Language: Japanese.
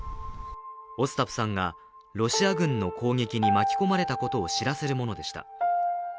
オスタプさんがロシア軍の攻撃に巻き込まれたことを知らせるものでした。